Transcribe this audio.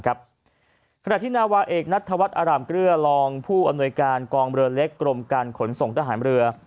ขณะที่นาวาเอกนัทธวัฒนอร่ามเกลือรองผู้อำนวยการกองเรือเล็กกรมการขนส่งทหารเรือ